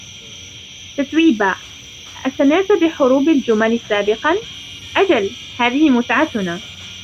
تتويبا: أسمعت بحروب الجُمَل سابقًا ؟ أجل ، هذه متعتنا.